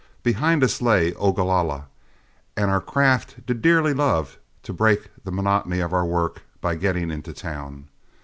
Behind us lay Ogalalla and our craft did dearly love to break the monotony of our work by getting into town.